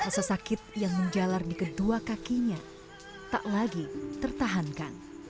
rasa sakit yang menjalar di kedua kakinya tak lagi tertahankan